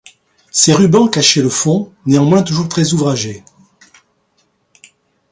Ses rubans cachaient le fond, néanmoins toujours très ouvragé!